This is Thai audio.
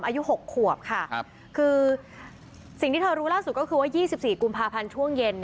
อายุ๖ขวบค่ะคือสิ่งที่เธอรู้ล่าสุดก็คือว่า๒๔กุมภาพันธ์ช่วงเย็น